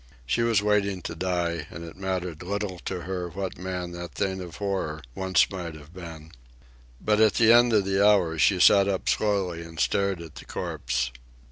She was waiting to die, and it mattered little to her what man that thing of horror once might have been. But at the end of the hour she sat up slowly and stared at the corpse.